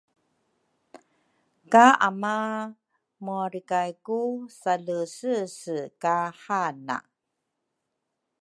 ka ama muarikay ku salesese ka hana.